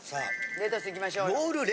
レタスいきましょう。